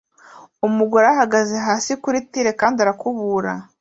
Umugore ahagaze hasi kuri tile kandi arakubura